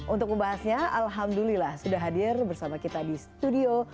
untuk membahasnya alhamdulillah sudah hadir bersama kita di studio